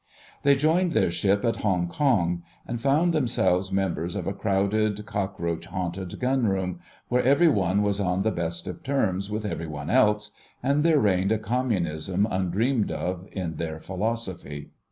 They joined their ship at Hong Kong, and found themselves members of a crowded, cockroach haunted gunroom, where every one was on the best of terms with every one else, and there reigned a communism undreamed of in their philosophy.